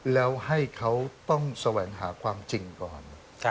แล้วให้เขาต้องแสวงหาความจริงก่อน